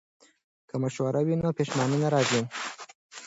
که مشوره وي نو پښیماني نه راځي.